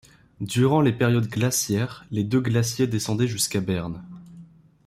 Durant les périodes glaciaires, les deux glaciers descendaient jusqu'à Berne.